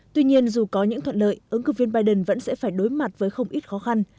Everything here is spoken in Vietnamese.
tuy nhiên dù có những thuận lợi ứng cử viên biden vẫn sẽ phải đối mặt với không ít khó khăn